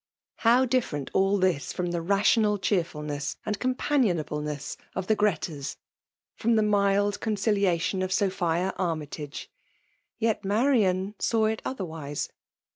How different all this from the rational cheerfulness and companionableness of the Gretas, — from the mild conciliation of Sophia Armytagc! Yet Marian saw it otherwise!